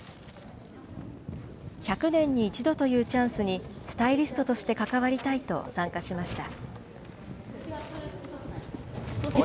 １００年に１度というチャンスに、スタイリストとして関わりたいと参加しました。